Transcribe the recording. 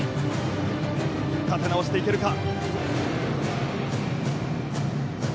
立て直していけるか。